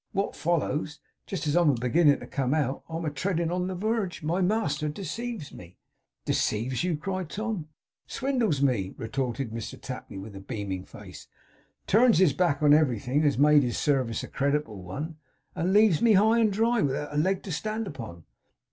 What follows? Jest as I'm a beginning to come out, and am a treadin' on the werge, my master deceives me.' 'Deceives you!' cried Tom. 'Swindles me,' retorted Mr Tapley with a beaming face. 'Turns his back on everything as made his service a creditable one, and leaves me high and dry, without a leg to stand upon.